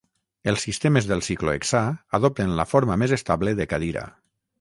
Els sistemes del ciclohexà adopten la forma més estable de cadira.